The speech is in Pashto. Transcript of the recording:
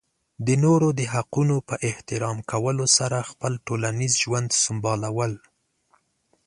د نورو د حقونو په احترام کولو سره خپل ټولنیز ژوند سمبالول.